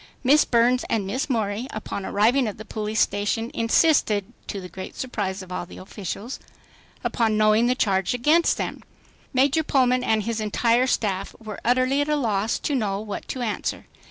Miss Burns and Miss Morey upon arriving at the police station, insisted, to the great surprise of all the officials, upon knowing the charge against them. Major Pullman and his entire staff were utterly at a loss to know what to answer.